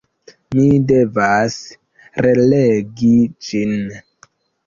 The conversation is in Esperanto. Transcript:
Mi devas relegi ĝin.